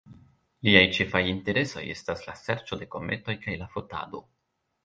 Liaj ĉefaj interesoj estas la serĉo de kometoj kaj la fotado.